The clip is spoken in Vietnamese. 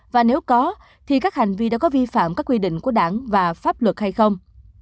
và nếu có thì các hành vi đó có vi phạm các quy định của đảng và pháp luật hay không